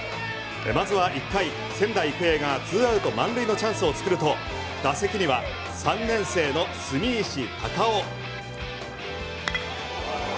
まずは１回、仙台育英は２アウト満塁のチャンスを作ると打席には３年生の住石孝雄。